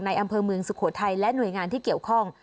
อำเภอเมืองสุโขทัยและหน่วยงานที่เกี่ยวข้อง